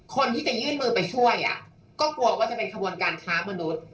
คนที่จะยื่นมือไปช่วยก็กลัวว่าจะเป็นขบวนการค้ามนุษย์